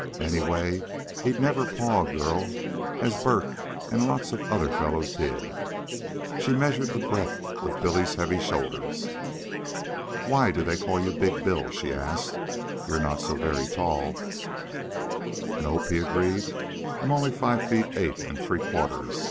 Anyway, he'd never paw a girl as Bert and lots of the other fellows did. She measured the breadth of Billy's heavy shoulders. "Why do they call you 'Big' Bill?" she asked. "You're not so very tall." "Nope," he agreed. "I'm only five feet eight an' three quarters.